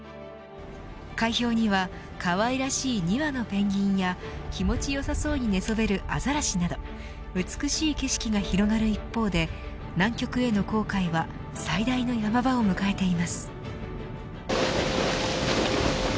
海氷には、かわいらしい２羽のペンギンや気持ち良さそうに寝そべるアザラシなど美しい景色が広がる一方で南極への航海は最大のヤマ場を迎えています。